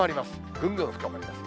ぐんぐん深まります。